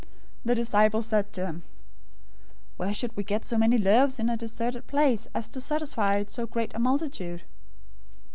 015:033 The disciples said to him, "Where should we get so many loaves in a deserted place as to satisfy so great a multitude?"